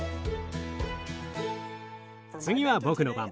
次は僕の番。